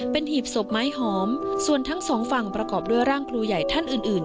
เป็นหีบศพไม้หอมส่วนทั้งสองฝั่งประกอบด้วยร่างครูใหญ่ท่านอื่นอื่น